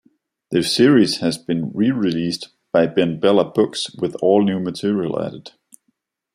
The series has been re-released by BenBella Books, with all-new material added.